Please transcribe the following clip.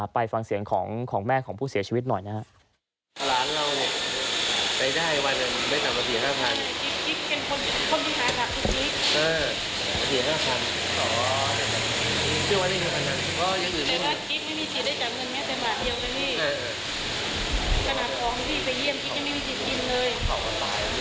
ไปฟังเสียงของแม่ของผู้เสียชีวิตหน่อยนะครับ